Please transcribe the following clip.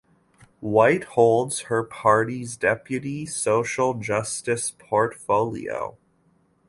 White holds her party's Deputy Social Justice portfolio.